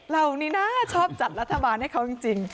เรานี่นะชอบจัดรัฐบาลให้เขาจริง